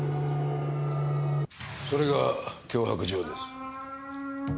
それが脅迫状です。